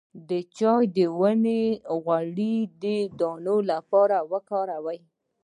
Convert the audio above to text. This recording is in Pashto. د چای د ونې غوړي د دانو لپاره وکاروئ